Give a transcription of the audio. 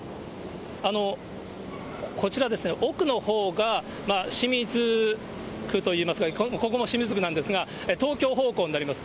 こちら、奥のほうが清水区といいますか、ここも清水区なんですが、東京方向になります。